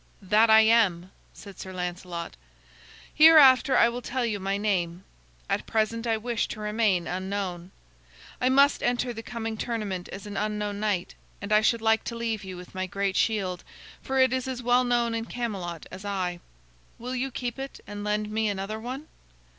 "That I am," said Sir Lancelot. "Hereafter I will tell you my name; at present I wish to remain unknown. I must enter the coming tournament as an unknown knight, and I should like to leave with you my great shield, for it is as well known in Camelot as I. Will you keep it and lend me another one?"